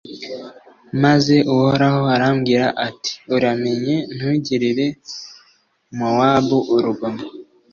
maze uhoraho arambwira ati uramenye ntugirire mowabu urugomo